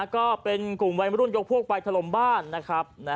ก็เป็นกลุ่มวัยมรุ่นยกพวกไปถล่มบ้านนะครับ